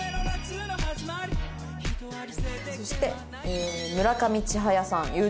そして村上チハヤさん。